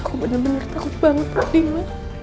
aku benar benar takut banget pak nino